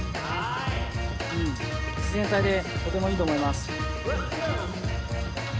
自然体でとてもいいと思います。